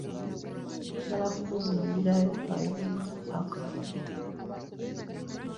Njagala kumuzimbirayo kayunga akalungi.